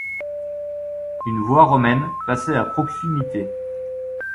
Une voie romaine passait à proxumité.